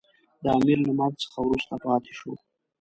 د امیر له مرګ څخه وروسته پاته شو.